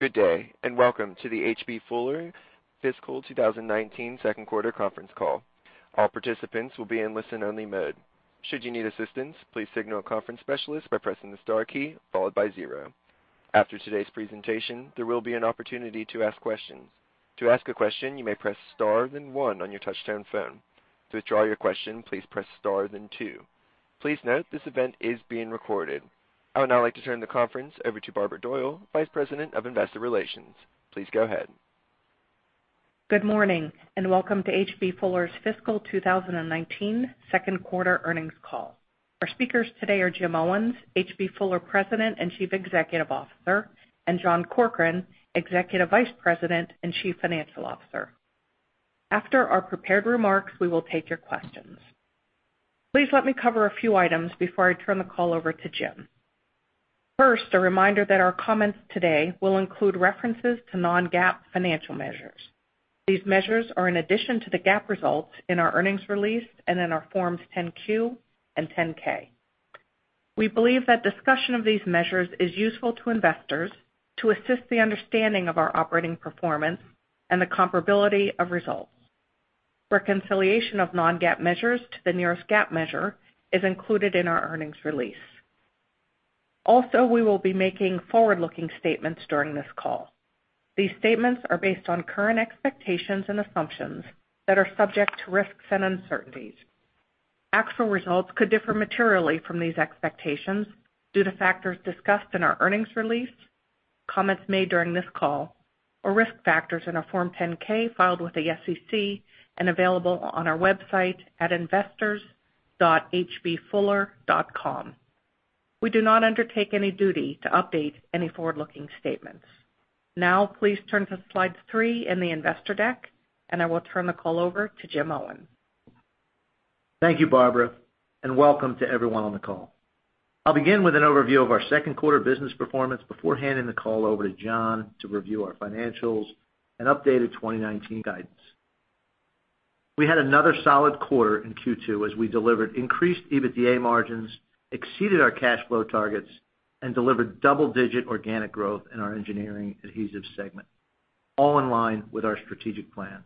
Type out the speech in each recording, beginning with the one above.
Good day, welcome to the H.B. Fuller fiscal 2019 second quarter conference call. All participants will be in listen only mode. Should you need assistance, please signal a conference specialist by pressing the star key followed by zero. After today's presentation, there will be an opportunity to ask questions. To ask a question, you may press star, then one on your touchtone phone. To withdraw your question, please press star, then two. Please note this event is being recorded. I would now like to turn the conference over to Barbara Doyle, Vice President of Investor Relations. Please go ahead. Good morning, welcome to H.B. Fuller's Fiscal 2019 Second Quarter Earnings Call. Our speakers today are Jim Owens, H.B. Fuller President and Chief Executive Officer, and John Corkrean, Executive Vice President and Chief Financial Officer. After our prepared remarks, we will take your questions. Please let me cover a few items before I turn the call over to Jim. First, a reminder that our comments today will include references to non-GAAP financial measures. These measures are in addition to the GAAP results in our earnings release and in our Forms 10-Q and 10-K. We believe that discussion of these measures is useful to investors to assist the understanding of our operating performance and the comparability of results. Reconciliation of non-GAAP measures to the nearest GAAP measure is included in our earnings release. Also, we will be making forward-looking statements during this call. These statements are based on current expectations and assumptions that are subject to risks and uncertainties. Actual results could differ materially from these expectations due to factors discussed in our earnings release, comments made during this call, or risk factors in our Form 10-K filed with the SEC and available on our website at investors.hbfuller.com. We do not undertake any duty to update any forward-looking statements. Now, please turn to Slide three in the investor deck, I will turn the call over to Jim Owens. Thank you, Barbara, welcome to everyone on the call. I'll begin with an overview of our second quarter business performance before handing the call over to John to review our financials and updated 2019 guidance. We had another solid quarter in Q2 as we delivered increased EBITDA margins, exceeded our cash flow targets, and delivered double-digit organic growth in our engineering adhesive segment, all in line with our strategic plan.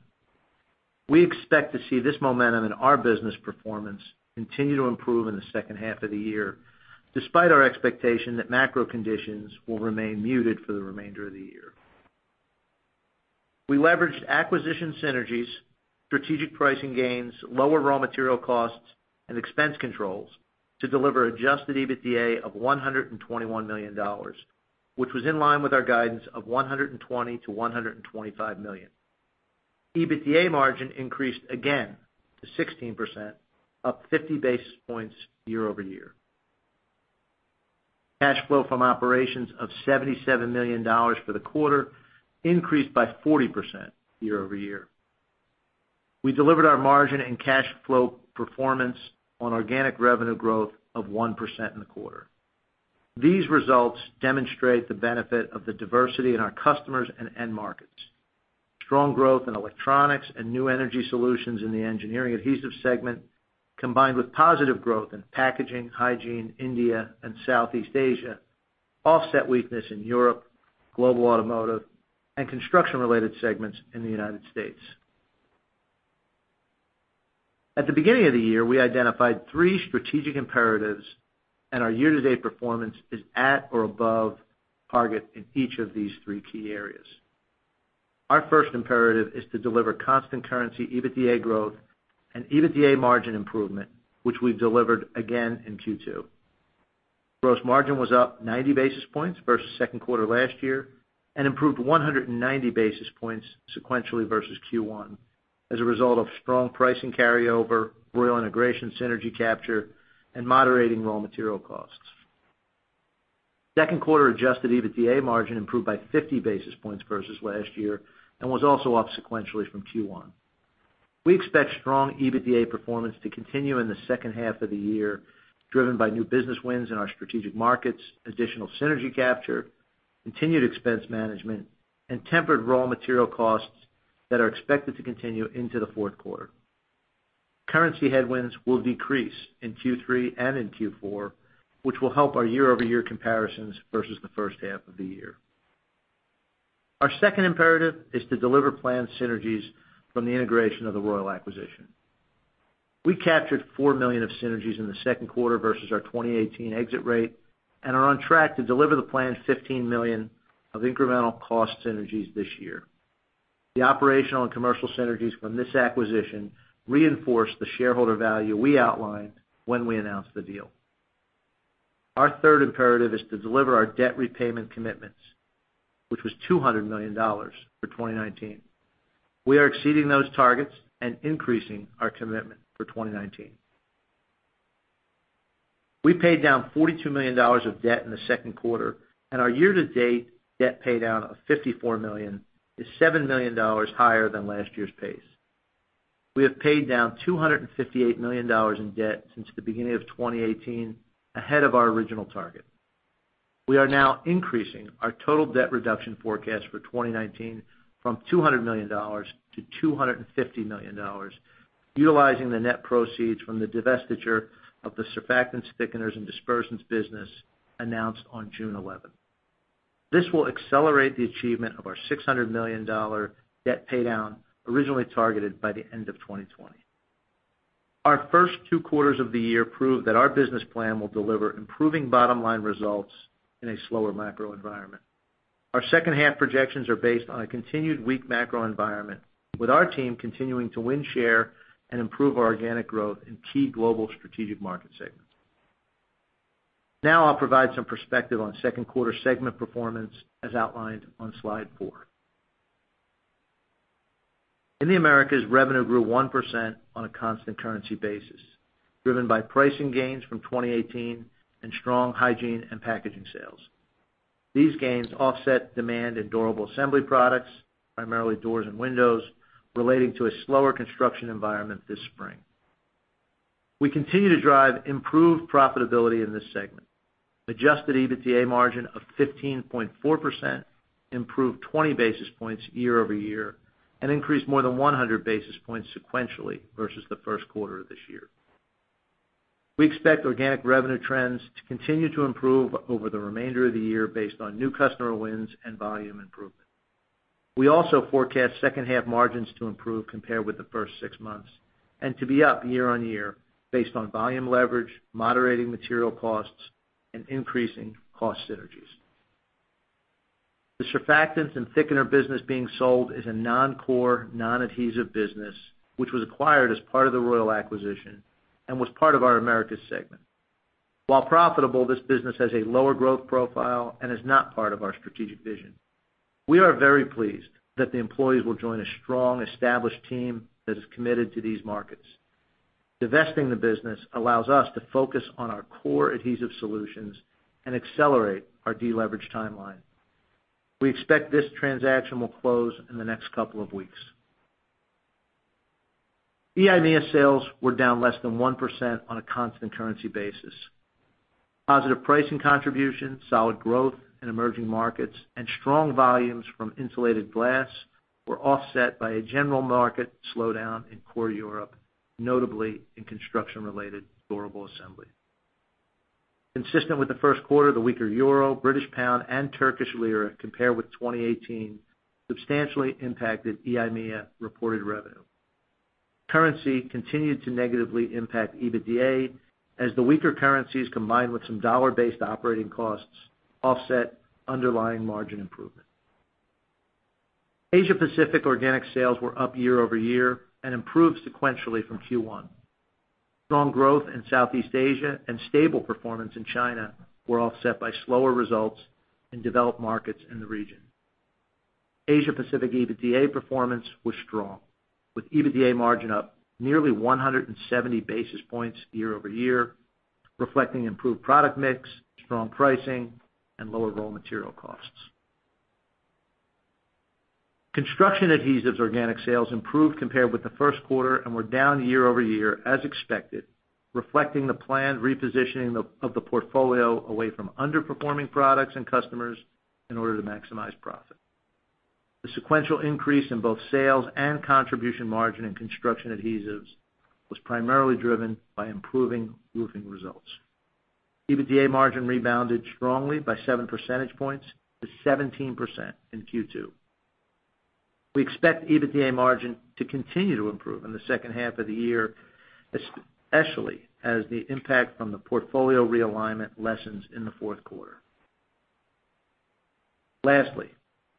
We expect to see this momentum in our business performance continue to improve in the second half of the year, despite our expectation that macro conditions will remain muted for the remainder of the year. We leveraged acquisition synergies, strategic pricing gains, lower raw material costs, and expense controls to deliver adjusted EBITDA of $121 million, which was in line with our guidance of $120 million-$125 million. EBITDA margin increased again to 16%, up 50 basis points year-over-year. Cash flow from operations of $77 million for the quarter increased by 40% year-over-year. We delivered our margin and cash flow performance on organic revenue growth of 1% in the quarter. These results demonstrate the benefit of the diversity in our customers and end markets. Strong growth in electronics and new energy solutions in the engineering adhesive segment, combined with positive growth in packaging, hygiene, India, and Southeast Asia, offset weakness in Europe, global automotive, and construction related segments in the United States. At the beginning of the year, we identified three strategic imperatives. Our year-to-date performance is at or above target in each of these three key areas. Our first imperative is to deliver constant currency EBITDA growth and EBITDA margin improvement, which we've delivered again in Q2. Gross margin was up 90 basis points versus second quarter last year and improved 190 basis points sequentially versus Q1 as a result of strong pricing carryover, Royal integration synergy capture, and moderating raw material costs. Second quarter adjusted EBITDA margin improved by 50 basis points versus last year and was also up sequentially from Q1. We expect strong EBITDA performance to continue in the second half of the year, driven by new business wins in our strategic markets, additional synergy capture, continued expense management, and tempered raw material costs that are expected to continue into the fourth quarter. Currency headwinds will decrease in Q3 and in Q4, which will help our year-over-year comparisons versus the first half of the year. Our second imperative is to deliver planned synergies from the integration of the Royal acquisition. We captured $4 million of synergies in the second quarter versus our 2018 exit rate and are on track to deliver the planned $15 million of incremental cost synergies this year. The operational and commercial synergies from this acquisition reinforce the shareholder value we outlined when we announced the deal. Our third imperative is to deliver our debt repayment commitments, which was $200 million for 2019. We are exceeding those targets and increasing our commitment for 2019. We paid down $42 million of debt in the second quarter. Our year-to-date debt paydown of $54 million is $7 million higher than last year's pace. We have paid down $258 million in debt since the beginning of 2018, ahead of our original target. We are now increasing our total debt reduction forecast for 2019 from $200 million to $250 million, utilizing the net proceeds from the divestiture of the surfactants, thickeners, and dispersions business announced on June 11. This will accelerate the achievement of our $600 million debt paydown originally targeted by the end of 2020. Our first two quarters of the year prove that our business plan will deliver improving bottom-line results in a slower macro environment. Our second half projections are based on a continued weak macro environment, with our team continuing to win share and improve our organic growth in key global strategic market segments. Now I'll provide some perspective on second quarter segment performance, as outlined on slide four. In the Americas, revenue grew 1% on a constant currency basis, driven by pricing gains from 2018 and strong hygiene and packaging sales. These gains offset demand in durable assembly products, primarily doors and windows, relating to a slower construction environment this spring. We continue to drive improved profitability in this segment. Adjusted EBITDA margin of 15.4% improved 20 basis points year-over-year and increased more than 100 basis points sequentially versus the first quarter of this year. We expect organic revenue trends to continue to improve over the remainder of the year based on new customer wins and volume improvement. We also forecast second half margins to improve compared with the first six months and to be up year-on-year based on volume leverage, moderating material costs, and increasing cost synergies. The surfactants and thickener business being sold is a non-core, non-adhesive business, which was acquired as part of the Royal acquisition and was part of our Americas segment. While profitable, this business has a lower growth profile and is not part of our strategic vision. We are very pleased that the employees will join a strong, established team that is committed to these markets. Divesting the business allows us to focus on our core adhesive solutions and accelerate our deleverage timeline. We expect this transaction will close in the next couple of weeks. EIMEA sales were down less than 1% on a constant currency basis. Positive pricing contributions, solid growth in emerging markets, and strong volumes from insulated glass were offset by a general market slowdown in core Europe, notably in construction-related durable assembly. Consistent with the first quarter, the weaker euro, British pound, and Turkish lira compared with 2018 substantially impacted EIMEA reported revenue. Currency continued to negatively impact EBITDA as the weaker currencies combined with some dollar-based operating costs offset underlying margin improvement. Asia Pacific organic sales were up year-over-year and improved sequentially from Q1. Strong growth in Southeast Asia and stable performance in China were offset by slower results in developed markets in the region. Asia Pacific EBITDA performance was strong, with EBITDA margin up nearly 170 basis points year-over-year, reflecting improved product mix, strong pricing, and lower raw material costs. Construction adhesives organic sales improved compared with the first quarter and were down year-over-year as expected, reflecting the planned repositioning of the portfolio away from underperforming products and customers in order to maximize profit. The sequential increase in both sales and contribution margin in construction adhesives was primarily driven by improving roofing results. EBITDA margin rebounded strongly by seven percentage points to 17% in Q2. We expect EBITDA margin to continue to improve in the second half of the year, especially as the impact from the portfolio realignment lessens in the fourth quarter. Lastly,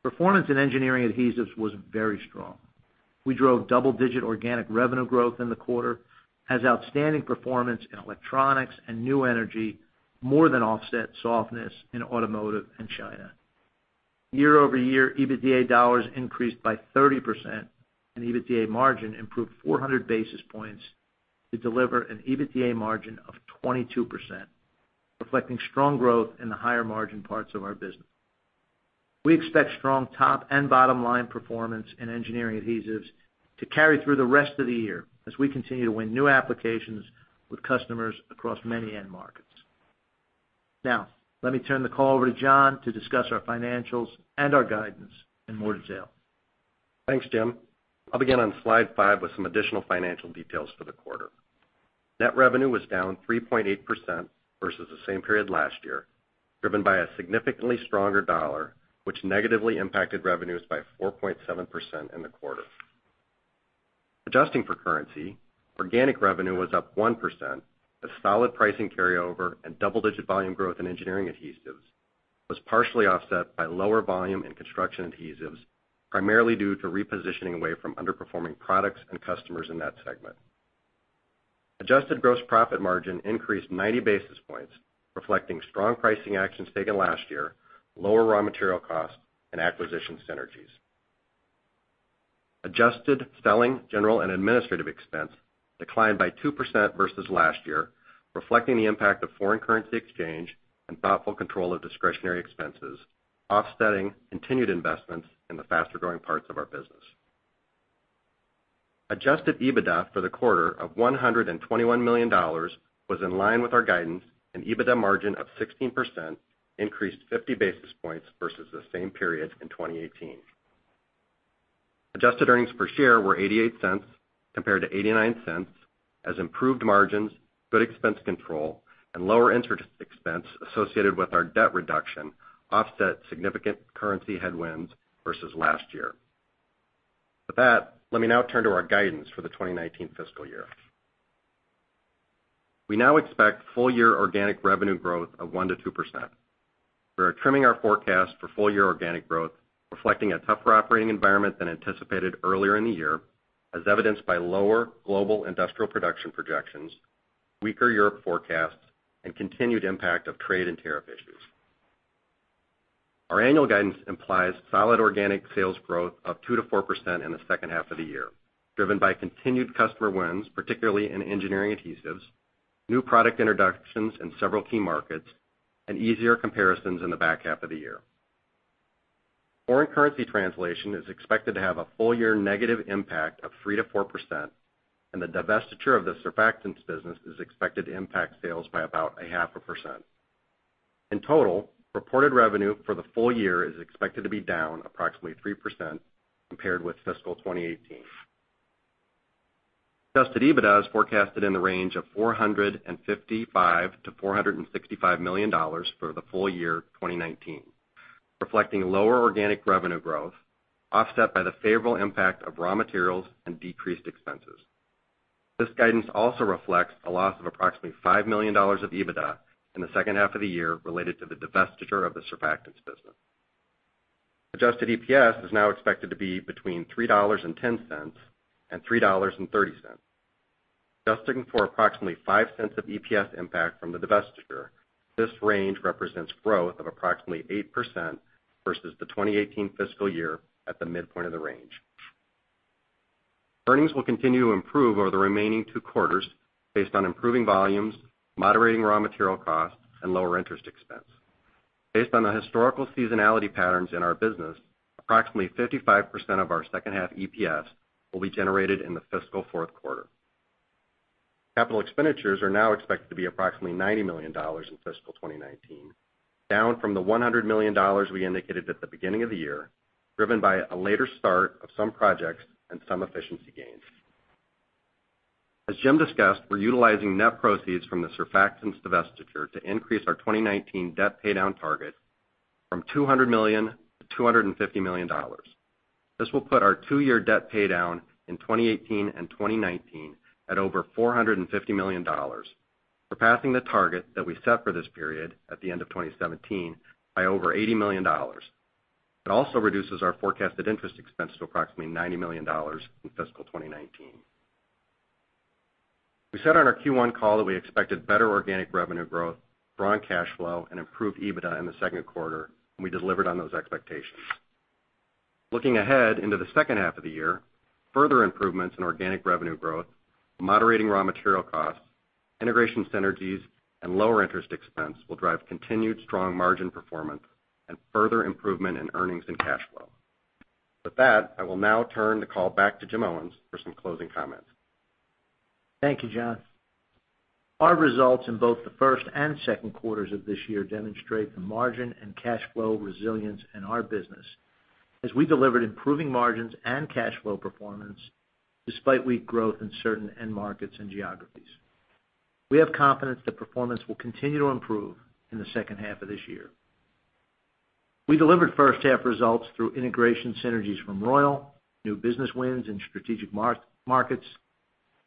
performance in Engineering Adhesives was very strong. We drove double-digit organic revenue growth in the quarter as outstanding performance in electronics and new energy more than offset softness in automotive and China. Year-over-year, EBITDA dollars increased by 30%, and EBITDA margin improved 400 basis points to deliver an EBITDA margin of 22%, reflecting strong growth in the higher margin parts of our business. Now, let me turn the call over to John to discuss our financials and our guidance in more detail. Thanks, Jim. I'll begin on slide five with some additional financial details for the quarter. Net revenue was down 3.8% versus the same period last year, driven by a significantly stronger dollar, which negatively impacted revenues by 4.7% in the quarter. Adjusting for currency, organic revenue was up 1% as solid pricing carryover and double-digit volume growth in Engineering Adhesives was partially offset by lower volume in construction adhesives, primarily due to repositioning away from underperforming products and customers in that segment. Adjusted gross profit margin increased 90 basis points, reflecting strong pricing actions taken last year, lower raw material costs, and acquisition synergies. Adjusted selling, general, and administrative expense declined by 2% versus last year, reflecting the impact of foreign currency exchange and thoughtful control of discretionary expenses, offsetting continued investments in the faster-growing parts of our business. Adjusted EBITDA for the quarter of $121 million was in line with our guidance, an EBITDA margin of 16% increased 50 basis points versus the same period in 2018. Adjusted EPS were $0.88 compared to $0.89, as improved margins, good expense control, and lower interest expense associated with our debt reduction offset significant currency headwinds versus last year. Let me now turn to our guidance for the 2019 fiscal year. We now expect full-year organic revenue growth of 1%-2%. We are trimming our forecast for full-year organic growth, reflecting a tougher operating environment than anticipated earlier in the year, as evidenced by lower global industrial production projections, weaker Europe forecasts, and continued impact of trade and tariff issues. Our annual guidance implies solid organic sales growth of 2%-4% in the second half of the year, driven by continued customer wins, particularly in Engineering Adhesives, new product introductions in several key markets, and easier comparisons in the back half of the year. Foreign currency translation is expected to have a full-year negative impact of 3%-4%, and the divestiture of the surfactants business is expected to impact sales by about 0.5%. In total, reported revenue for the full year is expected to be down approximately 3% compared with fiscal 2018. Adjusted EBITDA is forecasted in the range of $455 million-$465 million for the full year 2019, reflecting lower organic revenue growth offset by the favorable impact of raw materials and decreased expenses. This guidance also reflects a loss of approximately $5 million of EBITDA in the second half of the year related to the divestiture of the surfactants business. Adjusted EPS is now expected to be between $3.10 and $3.30. Adjusting for approximately $0.05 of EPS impact from the divestiture, this range represents growth of approximately 8% versus the 2018 fiscal year at the midpoint of the range. Earnings will continue to improve over the remaining two quarters based on improving volumes, moderating raw material costs, and lower interest expense. Based on the historical seasonality patterns in our business, approximately 55% of our second half EPS will be generated in the fiscal fourth quarter. Capital expenditures are now expected to be approximately $90 million in fiscal 2019, down from the $100 million we indicated at the beginning of the year, driven by a later start of some projects and some efficiency gains. As Jim discussed, we're utilizing net proceeds from the surfactants divestiture to increase our 2019 debt paydown target from $200 million to $250 million. This will put our two-year debt paydown in 2018 and 2019 at over $450 million, surpassing the target that we set for this period at the end of 2017 by over $80 million. It also reduces our forecasted interest expense to approximately $90 million in fiscal 2019. We said on our Q1 call that we expected better organic revenue growth, strong cash flow, and improved EBITDA in the second quarter. We delivered on those expectations. Looking ahead into the second half of the year, further improvements in organic revenue growth, moderating raw material costs, integration synergies, and lower interest expense will drive continued strong margin performance and further improvement in earnings and cash flow. With that, I will now turn the call back to Jim Owens for some closing comments. Thank you, John. Our results in both the first and second quarters of this year demonstrate the margin and cash flow resilience in our business as we delivered improving margins and cash flow performance despite weak growth in certain end markets and geographies. We have confidence that performance will continue to improve in the second half of this year. We delivered first half results through integration synergies from Royal, new business wins in strategic markets,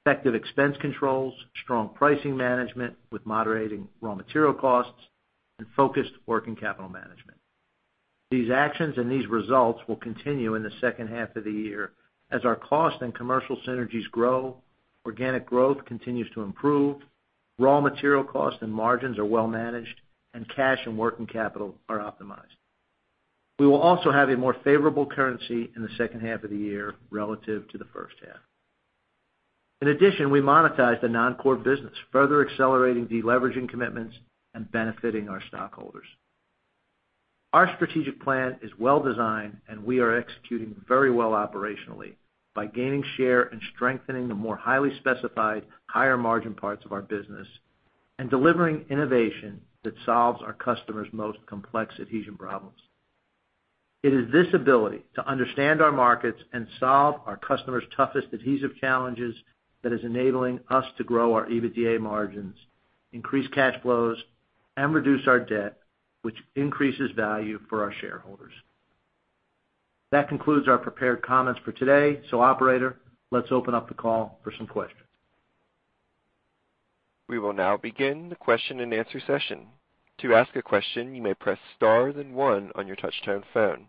effective expense controls, strong pricing management with moderating raw material costs, and focused working capital management. These actions and these results will continue in the second half of the year as our cost and commercial synergies grow, organic growth continues to improve, raw material costs and margins are well managed, and cash and working capital are optimized. We will also have a more favorable currency in the second half of the year relative to the first half. In addition, we monetized the non-core business, further accelerating de-leveraging commitments and benefiting our stockholders. Our strategic plan is well-designed. We are executing very well operationally by gaining share and strengthening the more highly specified, higher margin parts of our business and delivering innovation that solves our customers' most complex adhesion problems. It is this ability to understand our markets and solve our customers' toughest adhesive challenges that is enabling us to grow our EBITDA margins, increase cash flows, and reduce our debt, which increases value for our shareholders. That concludes our prepared comments for today. Operator, let's open up the call for some questions. We will now begin the question and answer session. To ask a question, you may press star, then one on your touchtone phone.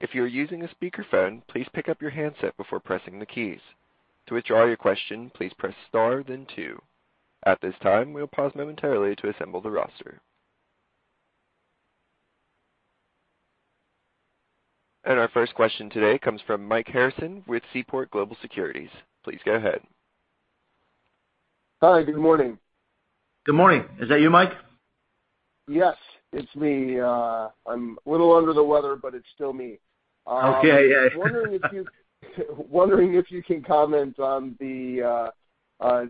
If you are using a speakerphone, please pick up your handset before pressing the keys. To withdraw your question, please press star, then two. At this time, we'll pause momentarily to assemble the roster. Our first question today comes from Mike Harrison with Seaport Global Securities. Please go ahead. Hi, good morning. Good morning. Is that you, Mike? Yes, it's me. I'm a little under the weather, but it's still me. Okay, yeah. I'm wondering if you can comment on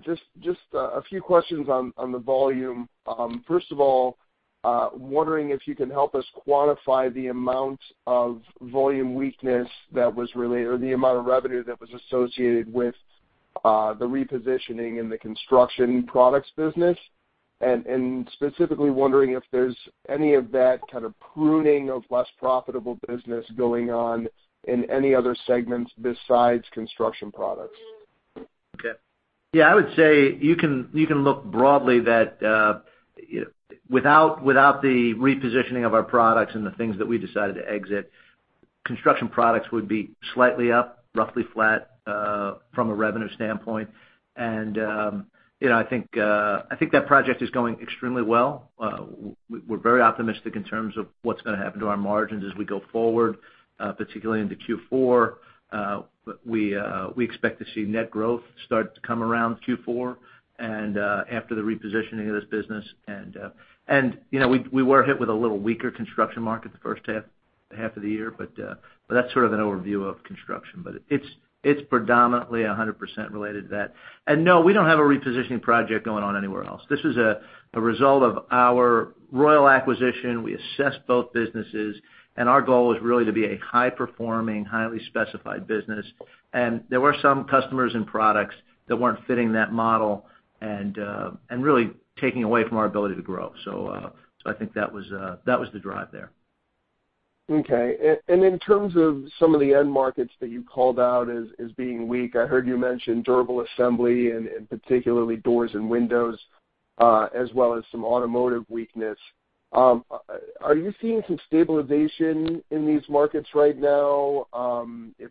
Just a few questions on the volume. First of all I'm wondering if you can help us quantify the amount of volume weakness or the amount of revenue that was associated with the repositioning in the Construction Products business, specifically wondering if there's any of that kind of pruning of less profitable business going on in any other segments besides Construction Products. Okay. Yeah, I would say you can look broadly that without the repositioning of our products and the things that we decided to exit, Construction Products would be slightly up, roughly flat, from a revenue standpoint. I think that project is going extremely well. We're very optimistic in terms of what's going to happen to our margins as we go forward, particularly into Q4. We expect to see net growth start to come around Q4 after the repositioning of this business. We were hit with a little weaker construction market the first half of the year, that's sort of an overview of construction. It's predominantly 100% related to that. No, we don't have a repositioning project going on anywhere else. This is a result of our Royal acquisition. We assessed both businesses, our goal was really to be a high performing, highly specified business. There were some customers and products that weren't fitting that model really taking away from our ability to grow. I think that was the drive there. Okay. In terms of some of the end markets that you called out as being weak, I heard you mention durable assembly and particularly doors and windows, as well as some automotive weakness. Are you seeing some stabilization in these markets right now?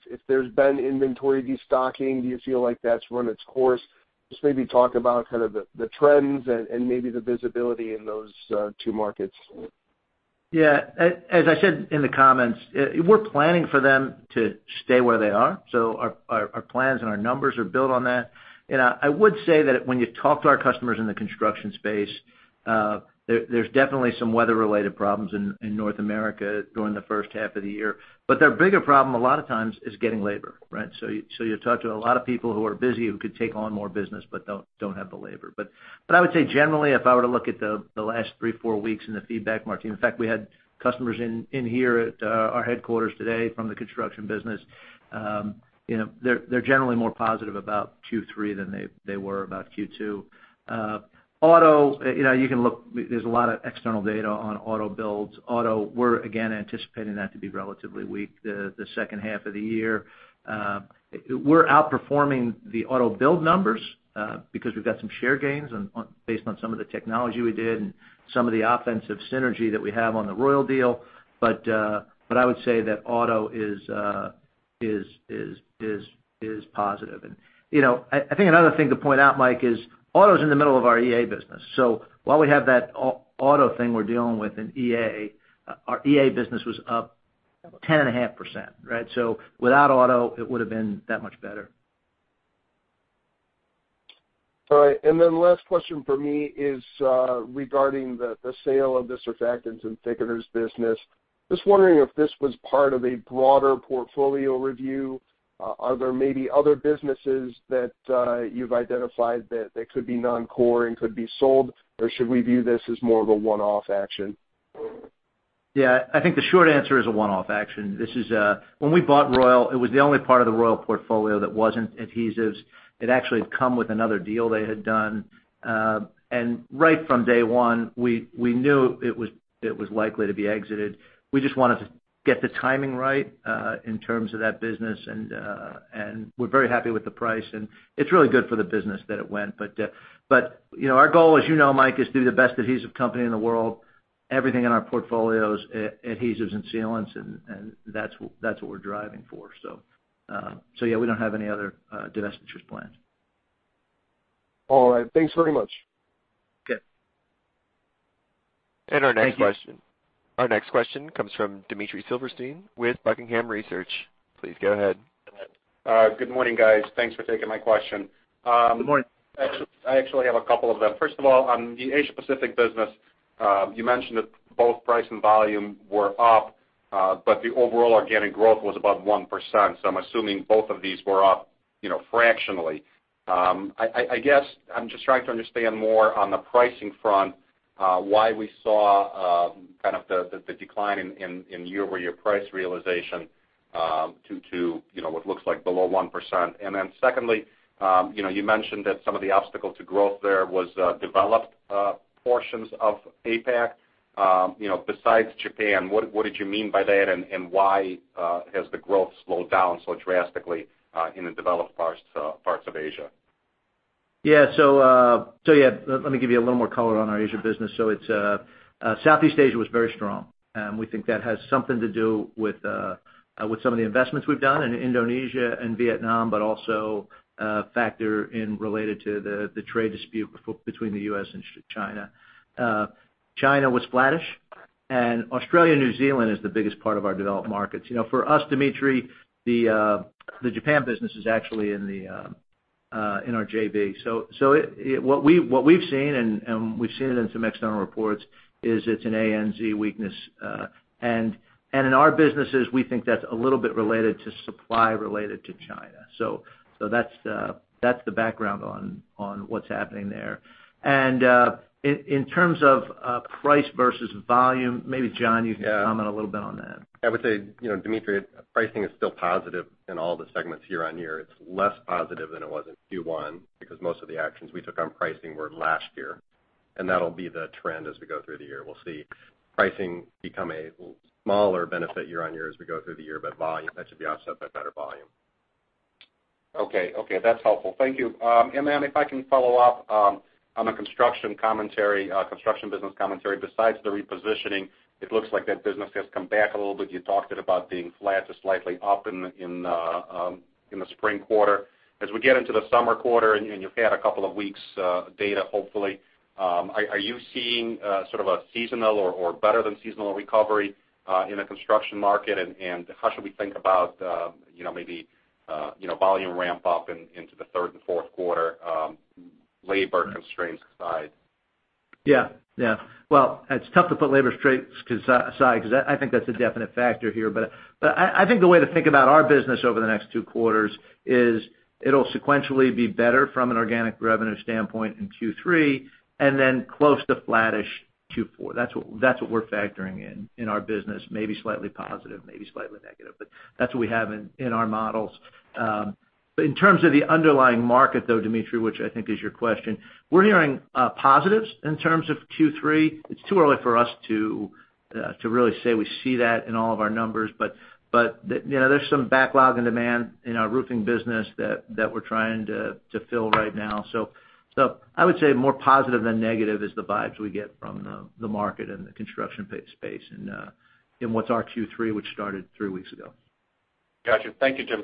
If there's been inventory destocking, do you feel like that's run its course? Just maybe talk about kind of the trends and maybe the visibility in those two markets. Yeah. As I said in the comments, we're planning for them to stay where they are, so our plans and our numbers are built on that. I would say that when you talk to our customers in the construction space, there's definitely some weather related problems in North America during the first half of the year. Their bigger problem a lot of times is getting labor, right? You talk to a lot of people who are busy, who could take on more business, but don't have the labor. I would say generally, if I were to look at the last three, four weeks in the feedback market, in fact, we had customers in here at our headquarters today from the construction business. They're generally more positive about Q3 than they were about Q2. Auto, you can look, there's a lot of external data on auto builds. Auto, we're again anticipating that to be relatively weak the second half of the year. We're outperforming the auto build numbers, because we've got some share gains based on some of the technology we did and some of the offensive synergy that we have on the Royal deal. I would say that auto is positive. I think another thing to point out, Mike, is auto's in the middle of our EA business. While we have that auto thing we're dealing with in EA, our EA business was up 10.5%, right? Without auto, it would've been that much better. All right. Last question from me is regarding the sale of the surfactants and thickeners business. Just wondering if this was part of a broader portfolio review. Are there maybe other businesses that you've identified that could be non-core and could be sold, or should we view this as more of a one-off action? Yeah. I think the short answer is a one-off action. When we bought Royal, it was the only part of the Royal portfolio that wasn't adhesives. It actually had come with another deal they had done. Right from day one, we knew it was likely to be exited. We just wanted to get the timing right, in terms of that business, and we're very happy with the price, and it's really good for the business that it went. Our goal, as you know, Mike, is to be the best adhesive company in the world. Everything in our portfolio's adhesives and sealants, and that's what we're driving for. Yeah, we don't have any other divestitures planned. All right. Thanks very much. Okay. Our next question. Thank you. Our next question comes from Dmitry Silversteyn with Buckingham Research. Please go ahead. Good morning, guys. Thanks for taking my question. Good morning. I actually have a couple of them. First of all, on the Asia Pacific business, you mentioned that both price and volume were up, but the overall organic growth was above 1%, so I'm assuming both of these were up fractionally. I guess I'm just trying to understand more on the pricing front, why we saw kind of the decline in year-over-year price realization to what looks like below 1%. Secondly, you mentioned that some of the obstacle to growth there was developed portions of APAC. Besides Japan, what did you mean by that, and why has the growth slowed down so drastically in the developed parts of Asia? Yeah. Let me give you a little more color on our Asia business. Southeast Asia was very strong. We think that has something to do with some of the investments we've done in Indonesia and Vietnam, but also a factor in related to the trade dispute between the U.S. and China. China was flattish, and Australia and New Zealand is the biggest part of our developed markets. For us, Dmitry, the Japan business is actually in our JV. What we've seen, and we've seen it in some external reports, is it's an ANZ weakness. In our businesses, we think that's a little bit related to supply related to China. That's the background on what's happening there. In terms of price versus volume, maybe John, you can comment a little bit on that. Yeah. I would say, Dmitry, pricing is still positive in all the segments year-on-year. It's less positive than it was in Q1, because most of the actions we took on pricing were last year, and that'll be the trend as we go through the year. We'll see pricing become a smaller benefit year-on-year as we go through the year, but that should be offset by better volume. Okay. That's helpful. Thank you. If I can follow up on the Construction business commentary, besides the repositioning, it looks like that business has come back a little bit. You talked about being flat to slightly up in the spring quarter. As we get into the summer quarter, and you've had a couple of weeks of data, hopefully. Are you seeing sort of a seasonal or better than seasonal recovery in the Construction market? How should we think about maybe volume ramp-up into the third and fourth quarter, labor constraints aside? Yeah. Well, it's tough to put labor constraints aside because I think that's a definite factor here. I think the way to think about our business over the next two quarters is it'll sequentially be better from an organic revenue standpoint in Q3 and then close to flat-ish Q4. That's what we're factoring in in our business, maybe slightly positive, maybe slightly negative, but that's what we have in our models. In terms of the underlying market, though, Dmitry, which I think is your question, we're hearing positives in terms of Q3. It's too early for us to really say we see that in all of our numbers, but there's some backlog and demand in our roofing business that we're trying to fill right now. I would say more positive than negative is the vibes we get from the market and the construction space in what's our Q3, which started three weeks ago. Got you. Thank you, Jim.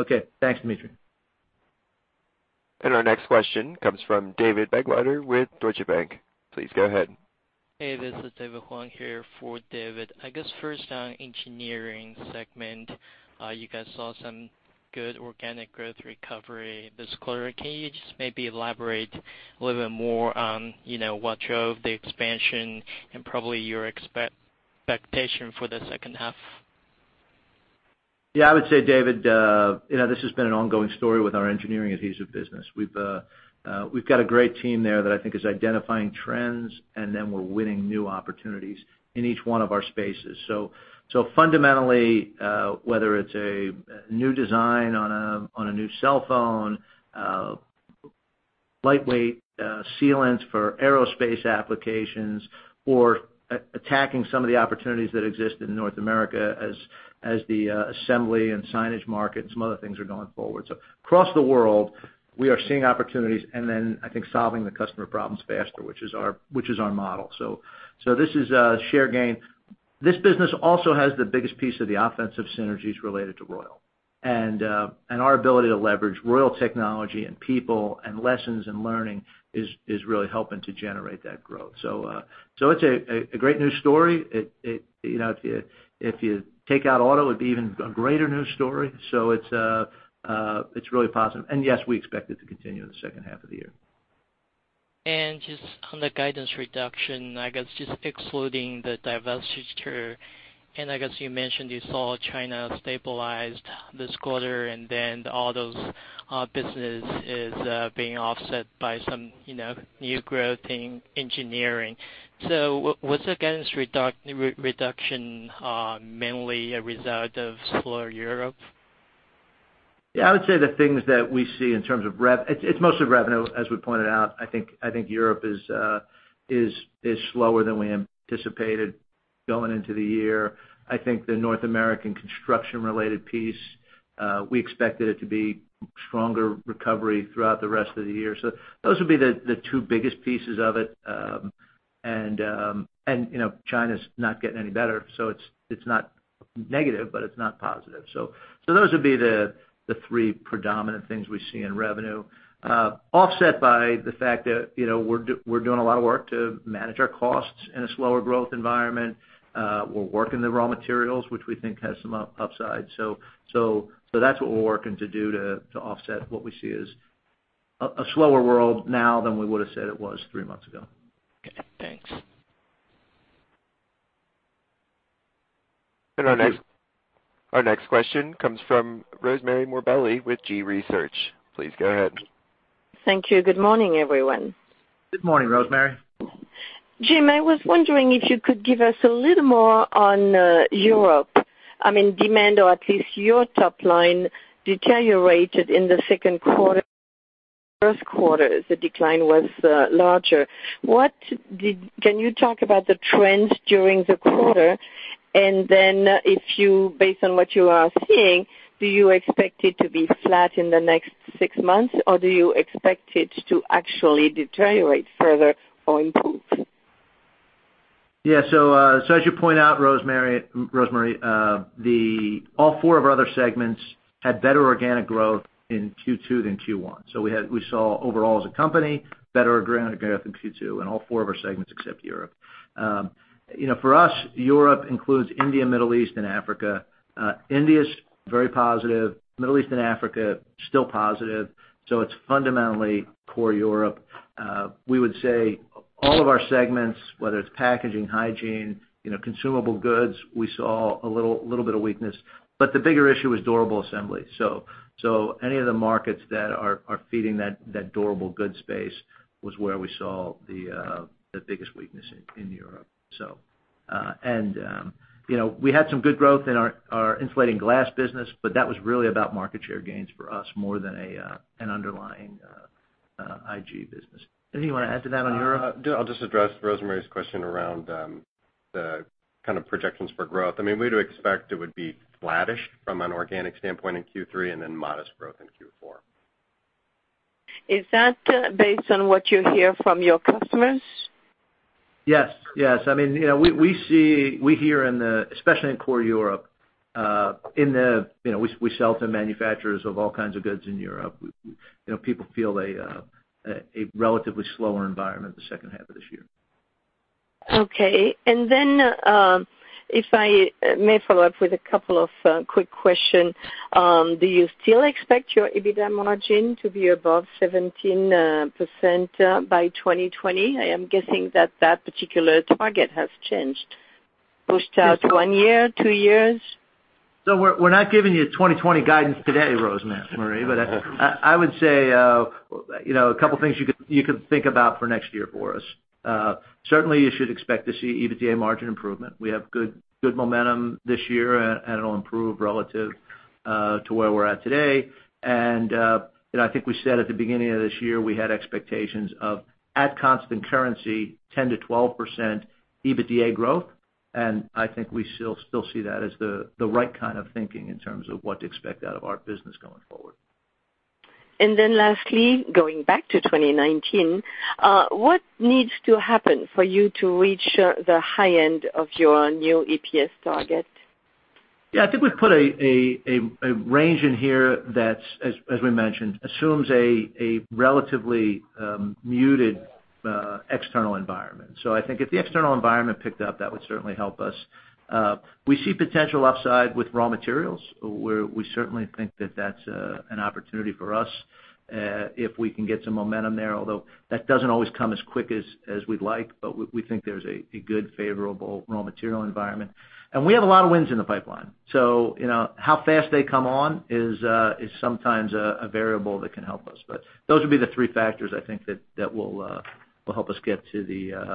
Okay. Thanks, Dmitry. Our next question comes from David Begleiter with Deutsche Bank. Please go ahead. This is David Huang here for David. I guess first on engineering segment, you guys saw some good organic growth recovery this quarter. Can you just maybe elaborate a little bit more on what drove the expansion and probably your expectation for the second half? Yeah, I would say, David, this has been an ongoing story with our engineering adhesive business. We've got a great team there that I think is identifying trends, we're winning new opportunities in each one of our spaces. Fundamentally, whether it's a new design on a new cell phone, lightweight sealants for aerospace applications, or attacking some of the opportunities that exist in North America as the assembly and signage market and some other things are going forward. Across the world, we are seeing opportunities I think solving the customer problems faster, which is our model. This is a share gain. This business also has the biggest piece of the offensive synergies related to Royal. Our ability to leverage Royal technology and people and lessons and learning is really helping to generate that growth. It's a great news story. If you take out auto, it'd be even a greater news story. It's really positive. Yes, we expect it to continue in the second half of the year. Just on the guidance reduction, I guess just excluding the divestiture, I guess you mentioned you saw China stabilized this quarter, all those businesses is being offset by some new growth in engineering. Was the guidance reduction mainly a result of slower Europe? Yeah, I would say the things that we see in terms of it's mostly revenue, as we pointed out. I think Europe is slower than we anticipated going into the year. I think the North American construction related piece, we expected it to be stronger recovery throughout the rest of the year. Those would be the two biggest pieces of it. China's not getting any better, so it's not negative, but it's not positive. Those would be the three predominant things we see in revenue, offset by the fact that we're doing a lot of work to manage our costs in a slower growth environment. We're working the raw materials, which we think has some upside. That's what we're working to do to offset what we see as a slower world now than we would've said it was three months ago. Okay. Thanks. Our next question comes from Rosemarie Morbelli with G.research. Please go ahead. Thank you. Good morning, everyone. Good morning, Rosemarie. Jim, I was wondering if you could give us a little more on Europe. Demand or at least your top line deteriorated in the second quarter. First quarter, the decline was larger. Can you talk about the trends during the quarter? Based on what you are seeing, do you expect it to be flat in the next sixmonths, or do you expect it to actually deteriorate further or improve? Yeah. As you point out, Rosemarie, all four of our other segments had better organic growth in Q2 than Q1. We saw overall as a company, better organic growth in Q2 in all four of our segments except Europe. For us, Europe includes India, Middle East, and Africa. India's very positive, Middle East and Africa still positive, so it's fundamentally core Europe. We would say all of our segments, whether it's packaging, hygiene, consumable goods, we saw a little bit of weakness, but the bigger issue is durable assembly. Any of the markets that are feeding that durable goods space was where we saw the biggest weakness in Europe. We had some good growth in our insulating glass business, but that was really about market share gains for us more than an underlying IG business. Anything you want to add to that on Europe? I'll just address Rosemarie's question around the kind of projections for growth. We'd expect it would be flattish from an organic standpoint in Q3 and then modest growth in Q4. Is that based on what you hear from your customers? Yes. We hear, especially in core Europe, we sell to manufacturers of all kinds of goods in Europe. People feel a relatively slower environment the second half of this year. Okay. If I may follow up with a couple of quick question. Do you still expect your EBITDA margin to be above 17% by 2020? I am guessing that that particular target has changed. Pushed out one year, two years? We're not giving you 2020 guidance today, Rosemarie. I would say, a couple of things you could think about for next year for us. Certainly, you should expect to see EBITDA margin improvement. We have good momentum this year, and it'll improve relative to where we're at today. I think we said at the beginning of this year, we had expectations of, at constant currency, 10%-12% EBITDA growth. I think we still see that as the right kind of thinking in terms of what to expect out of our business going forward. Lastly, going back to 2019, what needs to happen for you to reach the high end of your new EPS target? Yeah. I think we've put a range in here that's, as we mentioned, assumes a relatively muted external environment. I think if the external environment picked up, that would certainly help us. We see potential upside with raw materials. We certainly think that that's an opportunity for us if we can get some momentum there, although that doesn't always come as quick as we'd like, but we think there's a good favorable raw material environment. We have a lot of wins in the pipeline. How fast they come on is sometimes a variable that can help us. Those would be the three factors, I think that will help us get to the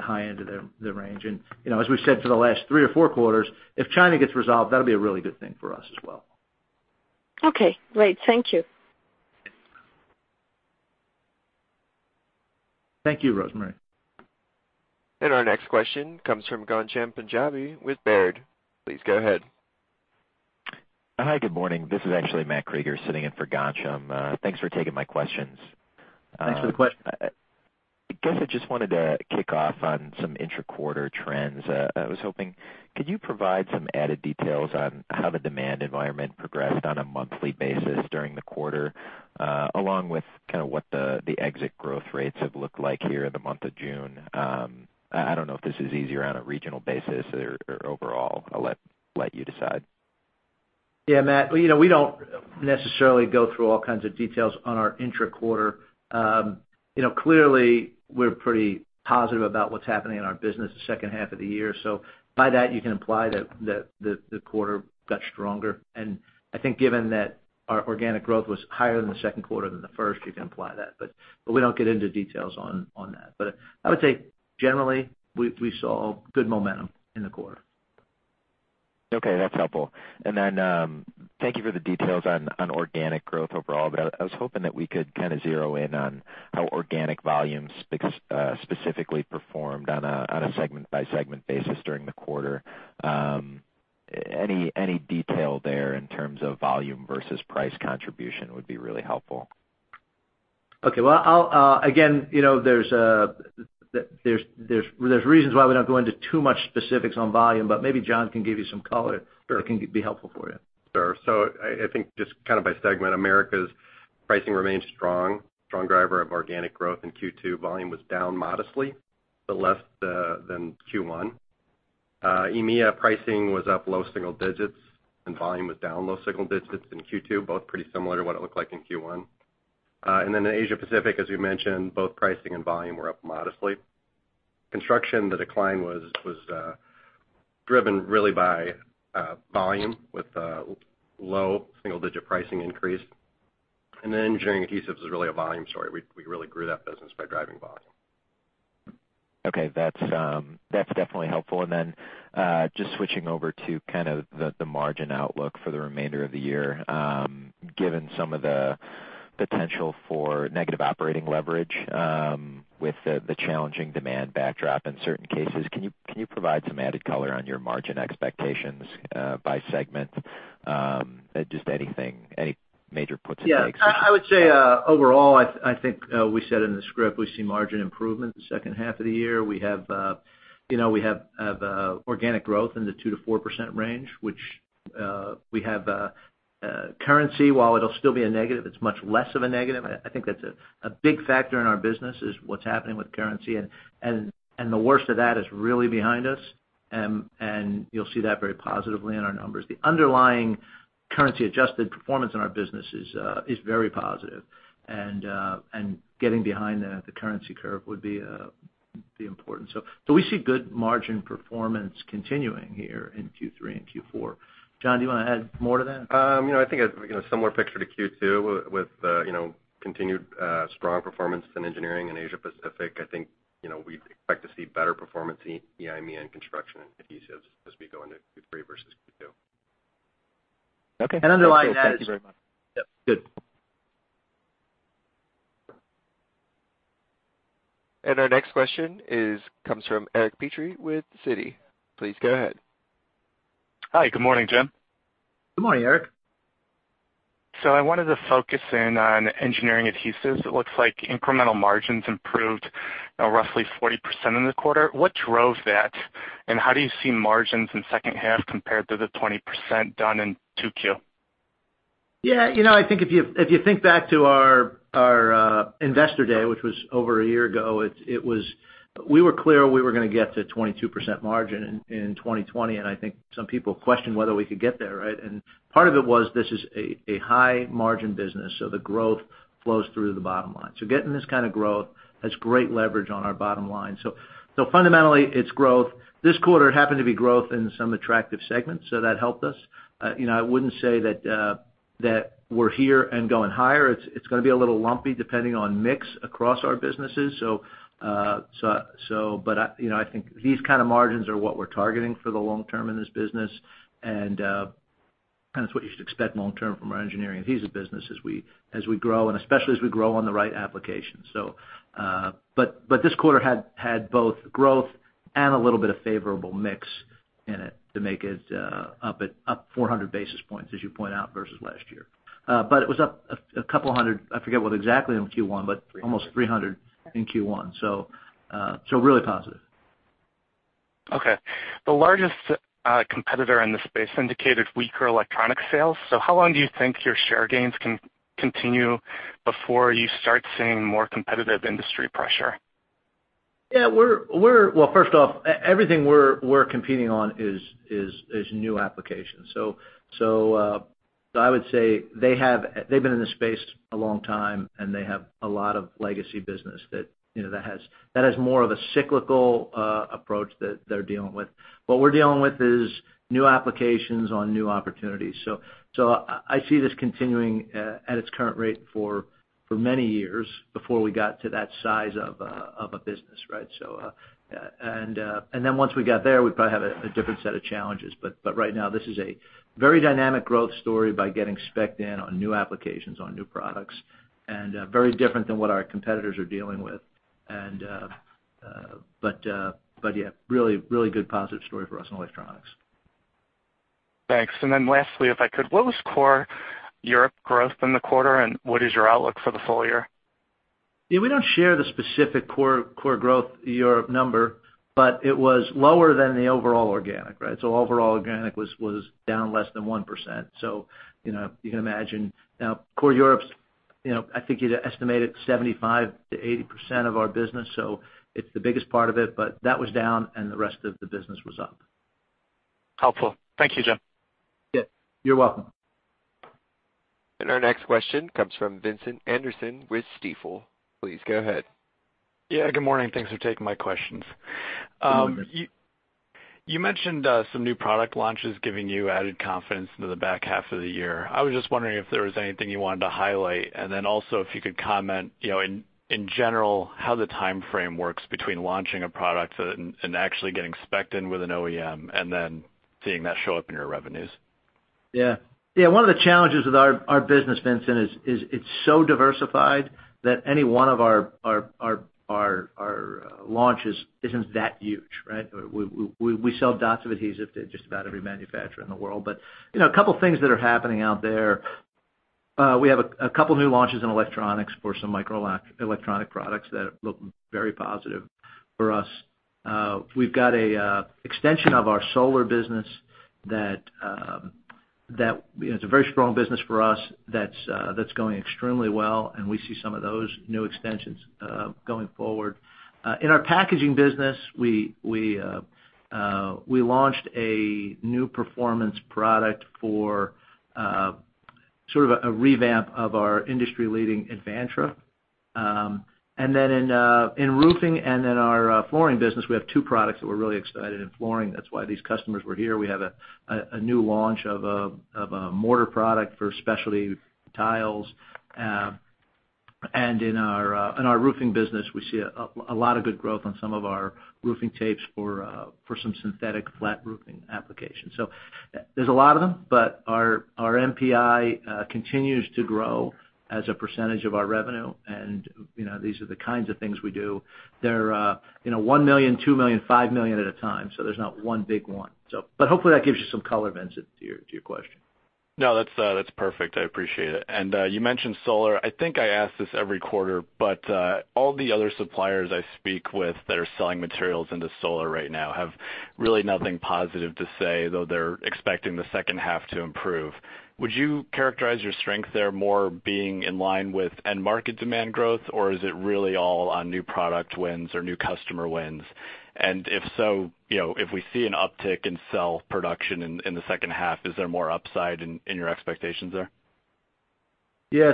high end of the range. As we've said for the last three or four quarters, if China gets resolved, that'll be a really good thing for us as well. Okay, great. Thank you. Thank you, Rosemarie. Our next question comes from Ghansham Panjabi with Baird. Please go ahead. Hi, good morning. This is actually Matt Krueger sitting in for Ghansham. Thanks for taking my questions. Thanks for the question. I guess I just wanted to kick off on some intra-quarter trends. I was hoping, could you provide some added details on how the demand environment progressed on a monthly basis during the quarter, along with kind of what the exit growth rates have looked like here in the month of June? I don't know if this is easier on a regional basis or overall. I'll let you decide. Matt. We don't necessarily go through all kinds of details on our intra-quarter. Clearly we're pretty positive about what's happening in our business the second half of the year. By that, you can imply that the quarter got stronger. I think given that our organic growth was higher in the second quarter than the first, you can imply that. We don't get into details on that. I would say generally, we saw good momentum in the quarter. Okay, that's helpful. Thank you for the details on organic growth overall, but I was hoping that we could kind of zero in on how organic volumes specifically performed on a segment-by-segment basis during the quarter. Any detail there in terms of volume versus price contribution would be really helpful. Okay. Again, there's reasons why we don't go into too much specifics on volume, but maybe John can give you some color that can be helpful for you. Sure. I think just kind of by segment, Americas pricing remains strong. Strong driver of organic growth in Q2. Volume was down modestly, but less than Q1. EIMEA pricing was up low single digits, and volume was down low single digits in Q2, both pretty similar to what it looked like in Q1. In Asia Pacific, as we mentioned, both pricing and volume were up modestly. Construction, the decline was driven really by volume with low single-digit pricing increase. Engineering adhesives is really a volume story. We really grew that business by driving volume. Okay. That's definitely helpful. Just switching over to kind of the margin outlook for the remainder of the year. Given some of the potential for negative operating leverage with the challenging demand backdrop in certain cases. Can you provide some added color on your margin expectations by segment? Just anything, any major puts into execution. Yeah. I would say, overall, I think we said in the script, we see margin improvement the second half of the year. We have organic growth in the 2%-4% range, which we have currency, while it'll still be a negative, it's much less of a negative. I think that's a big factor in our business, is what's happening with currency, and the worst of that is really behind us, and you'll see that very positively in our numbers. The underlying currency adjusted performance in our business is very positive, and getting behind the currency curve would be important. We see good margin performance continuing here in Q3 and Q4. John, do you want to add more to that? I think a similar picture to Q2 with continued strong performance in Engineering and Asia Pacific. I think we expect to see better performance in EIMEA and Construction Products as we go into Q3 versus Q2. Okay. Underlying that is Thank you very much. Yep. Good. Our next question comes from Eric Petrie with Citi. Please go ahead. Hi. Good morning, Jim. Good morning, Eric. I wanted to focus in on engineering adhesives. It looks like incremental margins improved roughly 40% in the quarter. What drove that, and how do you see margins in second half compared to the 20% done in 2Q? Yeah. I think if you think back to our investor day, which was over a year ago, we were clear we were going to get to 22% margin in 2020, and I think some people questioned whether we could get there, right? Part of it was this is a high margin business, the growth flows through to the bottom line. Getting this kind of growth has great leverage on our bottom line. Fundamentally, it's growth. This quarter, it happened to be growth in some attractive segments, that helped us. I wouldn't say that we're here and going higher. It's going to be a little lumpy depending on mix across our businesses. I think these kind of margins are what we're targeting for the long term in this business, kind of it's what you should expect long term from our engineering adhesives business as we grow, and especially as we grow on the right applications. This quarter had both growth and a little bit of favorable mix in it to make it up 400 basis points, as you point out, versus last year. It was up a couple hundred, I forget what exactly in Q1, almost 300 in Q1, really positive. Okay. The largest competitor in this space indicated weaker electronic sales. How long do you think your share gains can continue before you start seeing more competitive industry pressure? Yeah. Well, first off, everything we're competing on is new applications. I would say they've been in this space a long time, and they have a lot of legacy business that has more of a cyclical approach that they're dealing with. What we're dealing with is new applications on new opportunities. I see this continuing at its current rate for many years before we got to that size of a business, right? Then once we got there, we'd probably have a different set of challenges. Right now, this is a very dynamic growth story by getting specced in on new applications, on new products, and very different than what our competitors are dealing with. Yeah, really good positive story for us in electronics. Thanks. Then lastly, if I could, what was core Europe growth in the quarter, and what is your outlook for the full year? Yeah, we don't share the specific core growth Europe number, but it was lower than the overall organic, right? Overall organic was down less than 1%. You can imagine now core Europe's, I think you'd estimate it 75%-80% of our business, so it's the biggest part of it, but that was down and the rest of the business was up. Helpful. Thank you, Jim. Yeah. You're welcome. Our next question comes from Vincent Anderson with Stifel. Please go ahead. Yeah, good morning. Thanks for taking my questions. Good morning. You mentioned some new product launches giving you added confidence into the back half of the year. I was just wondering if there was anything you wanted to highlight. Also if you could comment, in general, how the timeframe works between launching a product and actually getting specced in with an OEM and then seeing that show up in your revenues. One of the challenges with our business, Vincent, is it's so diversified that any one of our launches isn't that huge, right? We sell dots of adhesive to just about every manufacturer in the world. A couple of things that are happening out there. We have a couple new launches in electronics for some Microlac electronic products that look very positive for us. We've got an extension of our solar business that is a very strong business for us that's going extremely well, and we see some of those new extensions going forward. In our packaging business, we launched a new performance product for sort of a revamp of our industry leading Advantra. In roofing and in our flooring business, we have two products that we're really excited in flooring. That's why these customers were here. We have a new launch of a mortar product for specialty tiles. And in our roofing business, we see a lot of good growth on some of our roofing tapes for some synthetic flat roofing applications. There's a lot of them, but our MPI continues to grow as a percentage of our revenue, and these are the kinds of things we do. They're $1 million, $2 million, $5 million at a time, so there's not one big one. Hopefully that gives you some color, Vincent, to your question. No, that's perfect. I appreciate it. You mentioned solar. I think I ask this every quarter, but all the other suppliers I speak with that are selling materials into solar right now have really nothing positive to say, though they're expecting the second half to improve. Would you characterize your strength there more being in line with end market demand growth, or is it really all on new product wins or new customer wins? If so, if we see an uptick in cell production in the second half, is there more upside in your expectations there? Yeah.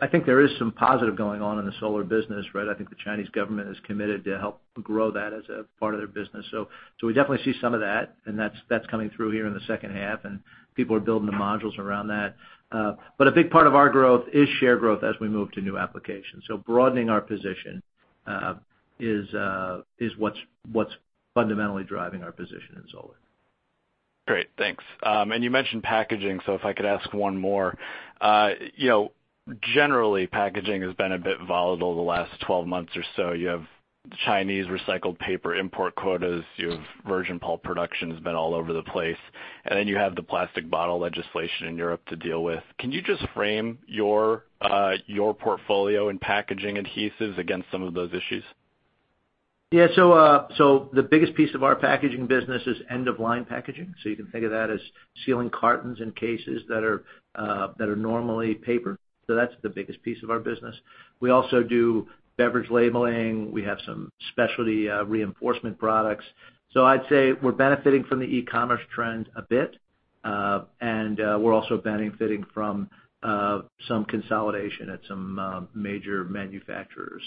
I think there is some positive going on in the solar business, right? I think the Chinese government is committed to help grow that as a part of their business. We definitely see some of that, and that's coming through here in the second half, and people are building the modules around that. A big part of our growth is share growth as we move to new applications. Broadening our position is what's fundamentally driving our position in solar. Great, thanks. You mentioned packaging, if I could ask one more. Generally, packaging has been a bit volatile the last 12 months or so. You have the Chinese recycled paper import quotas, you have virgin pulp production has been all over the place, and then you have the plastic bottle legislation in Europe to deal with. Can you just frame your portfolio in packaging adhesives against some of those issues? Yeah. The biggest piece of our packaging business is end-of-line packaging. You can think of that as sealing cartons and cases that are normally paper. That's the biggest piece of our business. We also do beverage labeling. We have some specialty reinforcement products. I'd say we're benefiting from the e-commerce trend a bit, and we're also benefiting from some consolidation at some major manufacturers.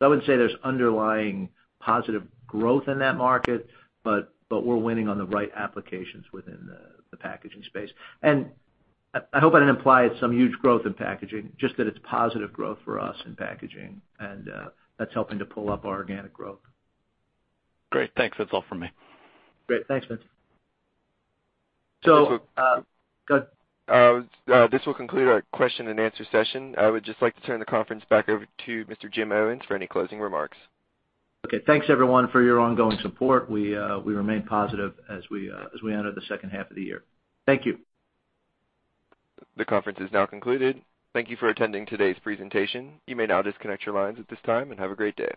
I wouldn't say there's underlying positive growth in that market, but we're winning on the right applications within the packaging space. I hope I didn't imply it's some huge growth in packaging, just that it's positive growth for us in packaging, and that's helping to pull up our organic growth. Great. Thanks. That's all for me. Great. Thanks, Vincent. This will- Go ahead. This will conclude our question and answer session. I would just like to turn the conference back over to Mr. Jim Owens for any closing remarks. Okay. Thanks, everyone, for your ongoing support. We remain positive as we enter the second half of the year. Thank you. The conference is now concluded. Thank you for attending today's presentation. You may now disconnect your lines at this time, and have a great day.